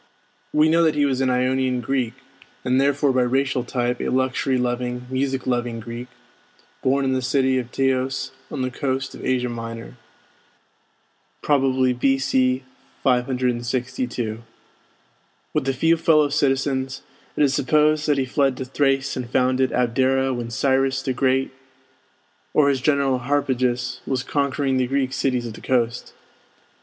We know that he was an Ionian Greek, and therefore by racial type a luxury loving, music loving Greek, born in the city of Teos on the coast of Asia Minor. The year was probably B.C. 562. With a few fellow citizens, it is supposed that he fled to Thrace and founded Abdera when Cyrus the Great, or his general Harpagus, was conquering the Greek cities of the coast.